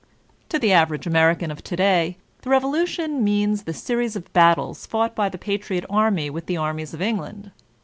To the average American of to day, the Revolution means the series of batUes fought by the patriot army with the armies of England.